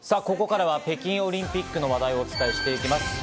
ここからは北京オリンピックの話題をお伝えしていきます。